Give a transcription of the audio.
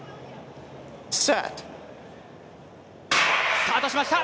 スタートしました。